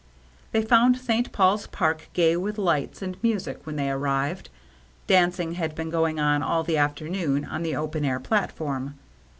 They found St. Paul's Park gay with lights and music when they arrived. Dancing had been going on all the afternoon on the open air platform.